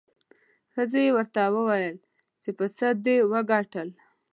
ښځې یې ورته وویل چې په څه دې وګټل؟